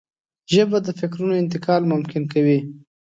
ژبه د فکرونو انتقال ممکن کوي